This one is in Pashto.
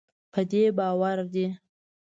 په دې باور دی